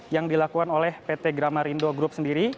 yang dilakukan oleh pt gramarindo group sendiri